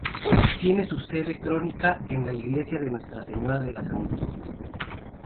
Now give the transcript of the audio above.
Tiene su sede canónica en la Iglesia de Nuestra Señora de las Angustias.